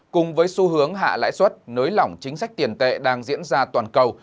cùng với xu hướng hạ lãi suất nới lỏng chính sách tiền tệ đang diễn ra toàn cầu